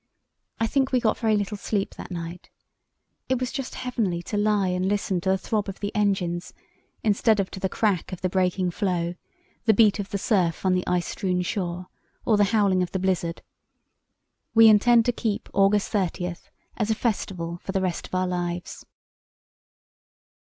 I think we got very little sleep that night. It was just heavenly to lie and listen to the throb of the engines, instead of to the crack of the breaking floe, the beat of the surf on the ice strewn shore, or the howling of the blizzard. "We intend to keep August 30 as a festival for the rest of our lives."